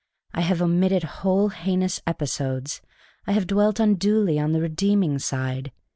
I have omitted whole heinous episodes. I have dwelt unduly on the redeeming side.